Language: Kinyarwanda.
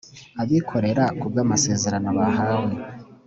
abikorera ku bw amasezerano bahawe